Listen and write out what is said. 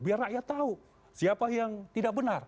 biar rakyat tahu siapa yang tidak benar